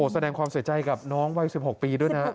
แสดงความเสียใจกับน้องวัย๑๖ปีด้วยนะ